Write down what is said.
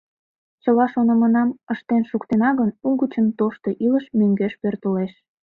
Чыла шонымынам ыштен шуктена гын, угычын тошто илыш мӧҥгеш пӧртылеш.